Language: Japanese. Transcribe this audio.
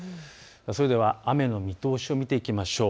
それでは雨の見通しを見ていきましょう。